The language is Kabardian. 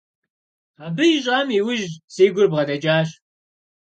Абы ищӏам иужь си гур бгъэдэкӏащ.